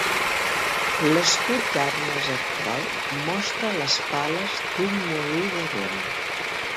L'escut d'armes actual mostra les pales d'un molí de vent.